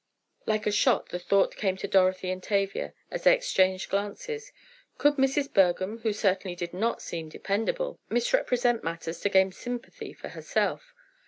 Like a shot the thought came to Dorothy and Tavia, as they exchanged glances, could Mrs. Bergham, who certainly did not seem dependable, misrepresent matters to gain sympathy for herself?